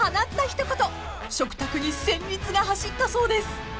［食卓に戦慄が走ったそうです］